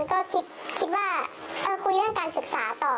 ก็คิดว่าคุยเรื่องการศึกษาต่อ